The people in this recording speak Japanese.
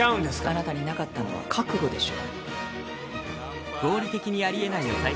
あなたになかったのは覚悟でしょ。